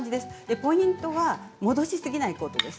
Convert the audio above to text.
ポイントは戻しすぎないことです。